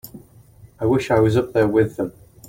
I wish I was up there with them.